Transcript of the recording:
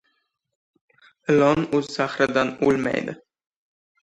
• Ilon o‘z zahridan o‘lmaydi.